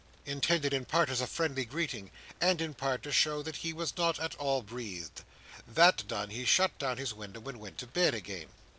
intended in part as a friendly greeting, and in part to show that he was not at all breathed. That done, he shut down his window, and went to bed again.